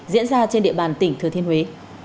diễn ra trên địa bàn tỉnh thừa thiên huế